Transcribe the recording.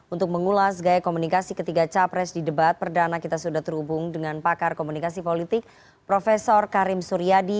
untuk mengulas gaya komunikasi ketiga capres di debat perdana kita sudah terhubung dengan pakar komunikasi politik prof karim suryadi